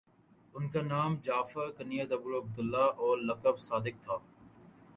ان کا نام جعفر کنیت ابو عبد اللہ اور لقب صادق تھا